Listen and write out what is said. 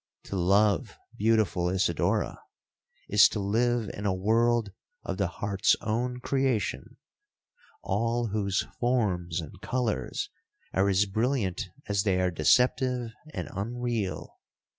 To love, beautiful Isidora, is to live in a world of the heart's own creation—all whose forms and colours are as brilliant as they are deceptive and unreal.